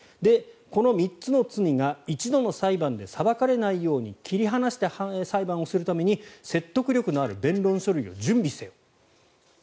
この３つの罪が一度の裁判で裁かれないように切り離して裁判をするための説得力のある弁論書類を準備せよ。